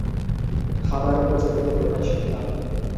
খাবার খোঁজা তাদের প্রধান শিক্ষা।